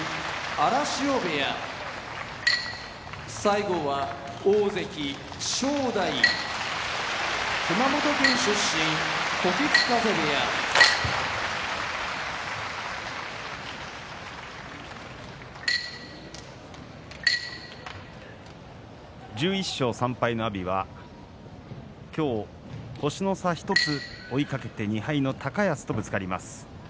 荒汐部屋大関・正代熊本県出身時津風部屋１１勝３敗の阿炎は今日、星の差１つ追いかけて２敗の高安とぶつかります。